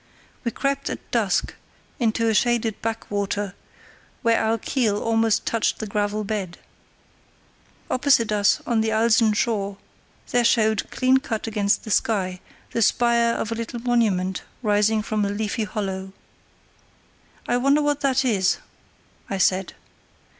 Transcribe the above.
We crept at dusk into a shaded back water, where our keel almost touched the gravel bed. Opposite us on the Alsen shore there showed, clean cut against the sky, the spire of a little monument rising from a leafy hollow. "I wonder what that is," I said.